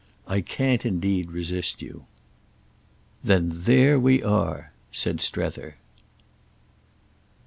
"I can't indeed resist you." "Then there we are!" said Strether.